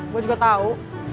gue juga tau